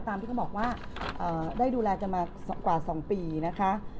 ที่เขาบอกว่าได้ดูแลกันมากว่า๒ปีนะคะ